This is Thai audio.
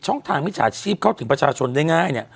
ช่องทางที่จะชีพเข้าถึงประชาชนได้ง่าย